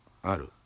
ある。